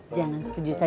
jangan setuju saja